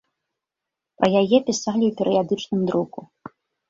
Пра яе пісалі ў перыядычным друку.